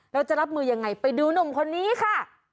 เราจะรับมือยังไงไปดูหนุ่มคนนี้ค่ะ